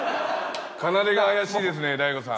かなでが怪しいですね大悟さん。